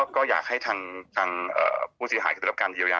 ก็อยากให้ทางผู้ที่หายข้อตรับการเยี๊ยวยา